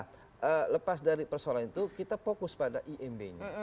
nah lepas dari persoalan itu kita fokus pada imb nya